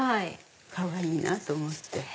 かわいいなぁと思って。